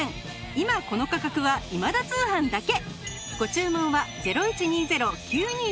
今この価格は『今田通販』だけ！